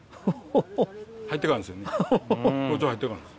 入っていかんですよね。